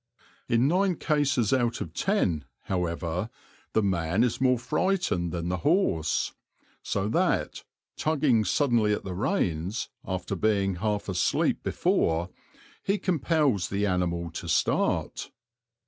In nine cases out of ten, however, the man is more frightened than the horse, so that, tugging suddenly at the reins, after being half asleep before, he compels the animal to start.